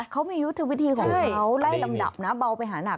เขามียุทธวิธีของเขาไล่ลำดับนะเบาไปหานัก